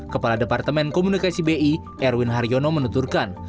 kepala departemen komunikasi bi erwin haryono menunturkan